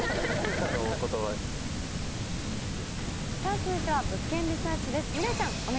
続いては「物件リサーチ」です。